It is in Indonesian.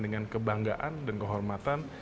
dengan kebanggaan dan kehormatan